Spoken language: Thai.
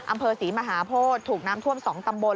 อำเภอศรีมหาโพธิถูกน้ำท่วม๒ตำบล